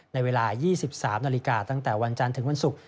ในเวลา๒๓นาฬิกาตั้งแต่วันจันทร์ถึงวันศุกร์